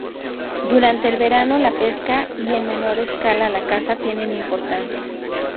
Durante el verano, la pesca y en menor escala la caza tienen importancia.